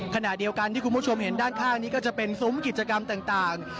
ขณะเดียวกันที่คุณผู้ชมเห็นด้านข้างนี้ก็จะเป็นซุ้มกิจกรรมต่าง